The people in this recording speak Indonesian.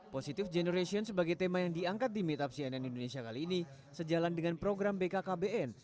positive generation sebagai tema yang diangkat di meetup cnn indonesia kali ini sejalan dengan program bkkbn